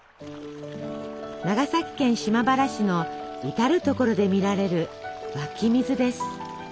長崎県島原市の至る所で見られる湧き水です。